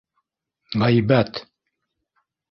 Ғәйбәт!